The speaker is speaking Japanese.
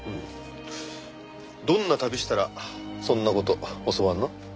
どんな旅したらそんな事教わるの？